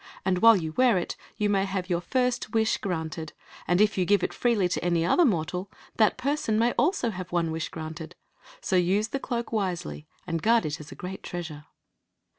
And while you wear it you may have your first wish granted ; and if you give it freely to any other mor tal, that person may also have one wish granted. So use the cloak^ wisely, and guard it as a great treasure.